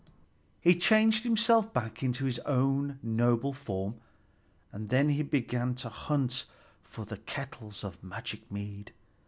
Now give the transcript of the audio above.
He changed himself back into his own noble form, and then he began to hunt about for the kettles of magic mead.